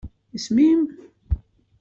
Isem-im?